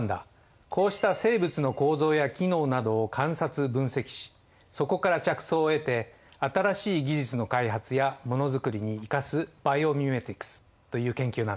こうした生物の構造や機能などを観察・分析しそこから着想を得て新しい技術の開発やものづくりに生かすバイオミメティクスという研究なんだ。